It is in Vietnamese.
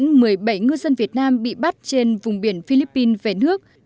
lưu đắc tê tiễn một mươi bảy ngư dân việt nam bị bắt trên vùng biển philippines về nước